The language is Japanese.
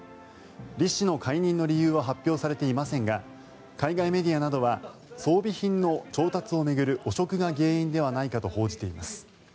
リ氏の解任の理由は発表されていませんが海外メディアなどは装備品の調達を巡る汚職が原因ではないかと報じています。